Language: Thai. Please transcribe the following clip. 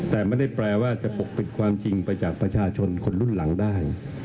แต่ไม่ได้แปลว่าจะปกปิดความจริงไปจากประชาชนคนรุ่นหลังได้